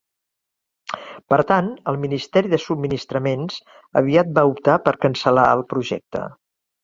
Per tant, el Ministeri de Subministraments aviat va optar per cancel·lar el projecte.